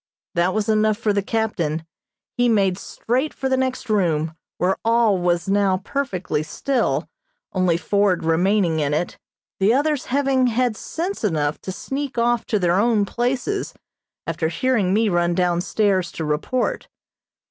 That was enough for the captain. He made straight for the next room, where all was now perfectly still, only Ford remaining in it, the others having had sense enough to sneak off to their own places, after hearing me run down stairs to report.